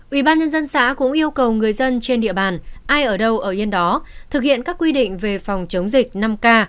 ubnd xã cũng yêu cầu người dân trên địa bàn ai ở đâu ở yên đó thực hiện các quy định về phòng chống dịch năm k